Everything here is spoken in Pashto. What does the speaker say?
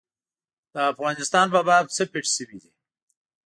د افغانستان په باب څه پېښ شوي دي.